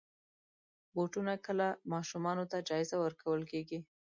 بوټونه کله ماشومانو ته جایزه ورکول کېږي.